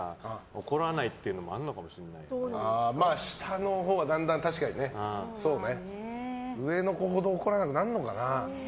怒らないっていうのもまあ、下のほうはだんだん確かにね。上の子ほど怒らなくなるのかな。